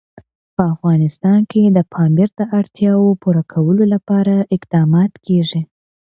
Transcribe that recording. په افغانستان کې د پامیر د اړتیاوو پوره کولو لپاره اقدامات کېږي.